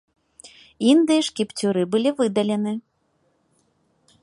Індыі ж кіпцюры былі выдалены.